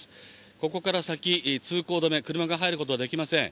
ここから先、通行止め、車が入ることができません。